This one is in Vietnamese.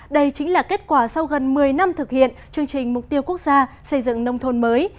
đây chính là kết quả sau gần một mươi năm thực hiện chương trình mục tiêu quốc gia xây dựng nông thôn mới